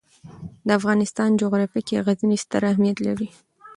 د افغانستان جغرافیه کې غزني ستر اهمیت لري.